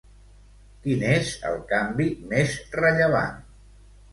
Quin és el canvi més rellevant?